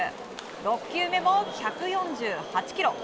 ６球目も１４８キロ。